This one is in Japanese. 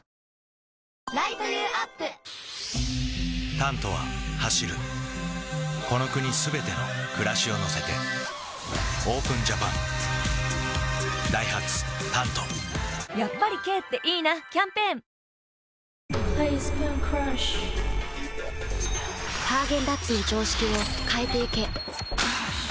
「タント」は走るこの国すべての暮らしを乗せてＯＰＥＮＪＡＰＡＮダイハツ「タント」やっぱり軽っていいなキャンペーン日本茶専門店のレモンパフェ右がレモンのチーズケーキ。